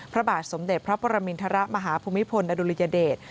พระบาทสมเด็จพระปรมินทรมาฮภูมิพลอดุลยเดช